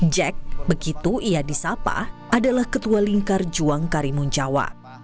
jack begitu ia disapa adalah ketua lingkar juang karimun jawa